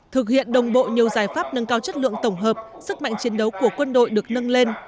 thực hiện đồng bộ nhiều giải pháp nâng cao chất lượng tổng hợp sức mạnh chiến đấu của quân đội được nâng lên